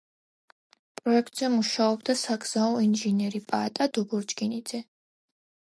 პროექტზე მუშაობდა საგზაო ინჟინერი პაატა დობორჯგინიძე.